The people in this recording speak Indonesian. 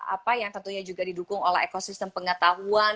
apa yang tentunya juga didukung oleh ekosistem pengetahuan